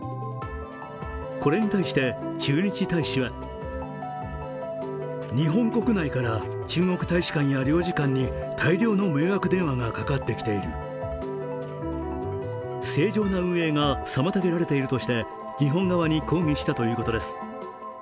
これに対して、駐日大使は正常な運営が妨げられているとして日本側に抗議したということです。